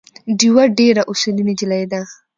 ډیوه ډېره اصولي نجلی ده